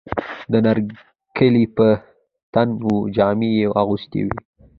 د نرسې کالي یې په تن وو، جامې یې اغوستې وې.